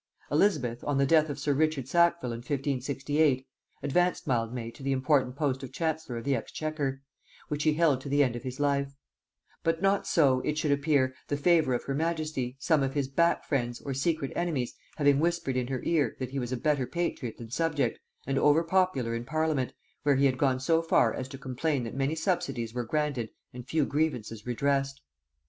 Elizabeth, on the death of sir Richard Sackville in 1568, advanced Mildmay to the important post of chancellor of the exchequer, which he held to the end of his life; but not so, it should appear, the favor of her majesty, some of his back friends, or secret enemies, having whispered in her ear, that he was a better patriot than subject, and over popular in parliament, where he had gone so far as to complain that many subsidies were granted and few grievances redressed.